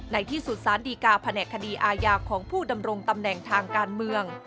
ในที่สุดสารดีกาแผนกคดีอาญาของผู้ดำรงตำแหน่งทางการเมือง